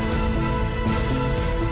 tante jangan marah ya